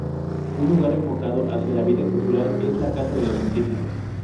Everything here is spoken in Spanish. Un lugar enfocado hacia la vida cultural es la "Casa de los Científicos".